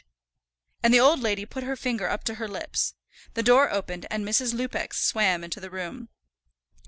And the old lady put her finger up to her lips. The door opened and Mrs. Lupex swam into the room.